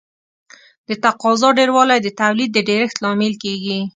د تقاضا ډېروالی د تولید د ډېرښت لامل کیږي.